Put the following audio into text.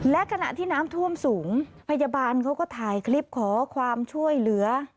และขณะที่น้ำท่วมสูงพยาบาลเขาก็ถ่ายคลิปขอความช่วยเหลือ